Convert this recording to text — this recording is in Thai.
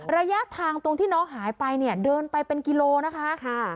ระยะทางตรงที่น้องหายไปเนี่ยเดินไปเป็นกิโลนะคะ